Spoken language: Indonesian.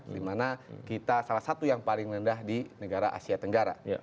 dimana kita salah satu yang paling rendah di negara asia tenggara